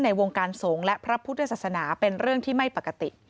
วงการสงฆ์และพระพุทธศาสนาเป็นเรื่องที่ไม่ปกติ